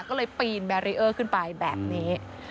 ก็เลยปีนแบรีเออร์ขึ้นไปแบบนี้